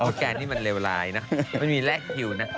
โอเคแกนี่มันเลวรายนะมีแรกทูนนะ